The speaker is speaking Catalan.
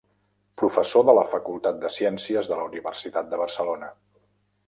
Professor de la Facultat de Ciències de la Universitat de Barcelona.